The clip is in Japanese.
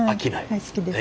大好きです。